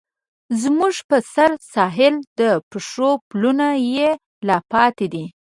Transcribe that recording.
زموږ په سره ساحل، د پښو پلونه یې لا پاتې دي